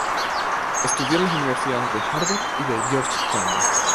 Estudió en las universidades de Harvard y de Georgetown.